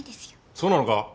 そうなのか。